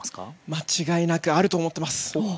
間違いなくあると思っています。